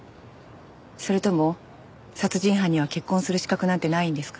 それとも殺人犯には結婚する資格なんてないんですか？